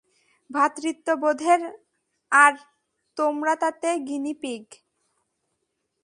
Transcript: ভ্রাতৃত্ববোধের, আর তোমরা তাতে গিনিপিগ।